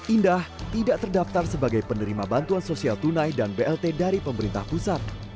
indah tidak terdaftar sebagai penerima bantuan sosial tunai dan blt dari pemerintah pusat